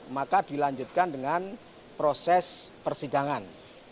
maka dilanjutkan dengan proses persidangan